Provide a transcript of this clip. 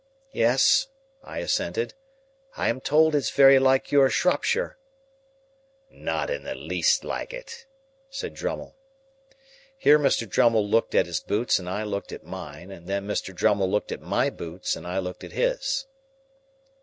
"Yes," I assented. "I am told it's very like your Shropshire." "Not in the least like it," said Drummle. Here Mr. Drummle looked at his boots and I looked at mine, and then Mr. Drummle looked at my boots, and I looked at his.